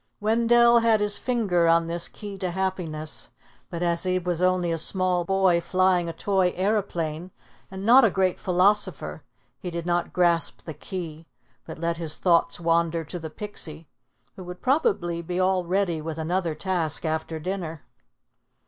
Wendell had his finger on this key to happiness, but as he was only a small boy flying a toy aeroplane, and not a great philosopher, he did not grasp the key, but let his thoughts wander to the Pixie, who would probably be all ready with another task after dinner.